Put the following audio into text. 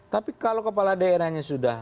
tapi kalau kepala daerahnya sudah